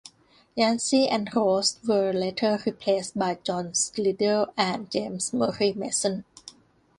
Yancey and Rost were later replaced by John Slidell and James Murray Mason.